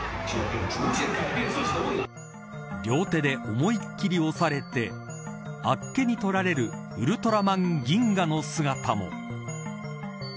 両手で思いっきり押されてあっけにとられるウルトラマンギンガの姿も。